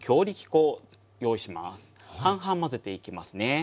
半々混ぜていきますね。